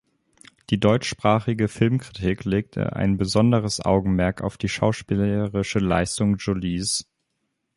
Die deutschsprachige Filmkritik legte ein besonderes Augenmerk auf die schauspielerische Leistung Jolies.